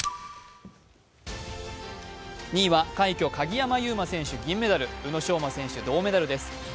２位は快挙・鍵山優真、銀メダル。宇野昌磨選手、銅メダルです。